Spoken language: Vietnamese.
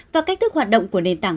và cách thức hoạt động của nền tảng